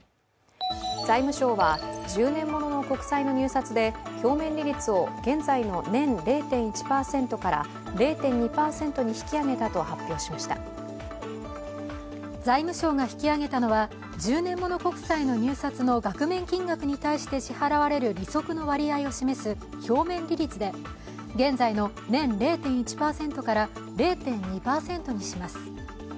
財務省は１０年物の国債の入札で表面利率を現在の年０．１％から０．２％に引き上げたと発表しました財務省が引き上げたのは１０年物国債の入札の額面金額に対して支払われる利息の割合を示す表面利率で現在の年０．１％から０．２％にします。